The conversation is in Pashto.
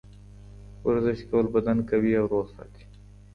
ورزش کول بدن قوي او روغ ساتي.